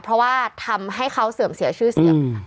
เพราะว่าทำให้เขาเสื่อมเสียชื่อเสียง